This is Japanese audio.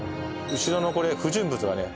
後ろのこれ不純物がね